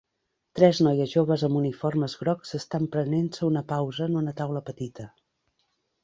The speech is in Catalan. Tres noies joves amb uniformes grocs estan prenent-se una pausa en una taula petita.